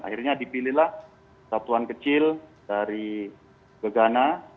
akhirnya dipilihlah satuan kecil dari gegana